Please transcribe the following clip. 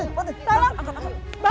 oh ibu perempuan